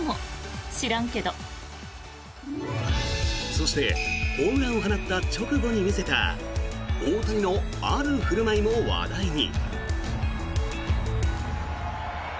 そして、ホームランを放った直後に見せた大谷の、ある振る舞いも話題に。